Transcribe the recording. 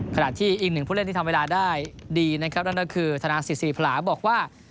ขนาดที่อีก๑ผู้เล่นที่ทำเวลาได้ดีนะครับทนาศิษย์ศิริพาหาบอกว่า